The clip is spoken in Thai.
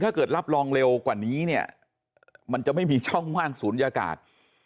รับรองเร็วกว่านี้เนี่ยมันจะไม่มีช่องว่างศูนยากาศ